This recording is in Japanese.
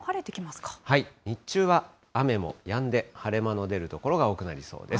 日中は雨もやんで、晴れ間の出る所が多くなりそうです。